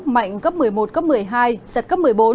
mạnh cấp một mươi một cấp một mươi hai giật cấp một mươi bốn